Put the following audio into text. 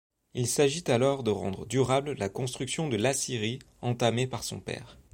Il s'agit alors de rendre durable la construction de l'Assyrie entamée par son père.